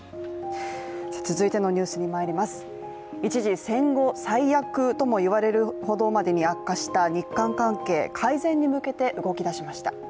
一時、戦後最悪とも言われるほどまでに悪化した日韓関係、改善に向けて動きだしました。